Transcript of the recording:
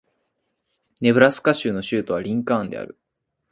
ネブラスカ州の州都はリンカーンである